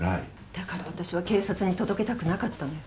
だから私は警察に届けたくなかったのよ。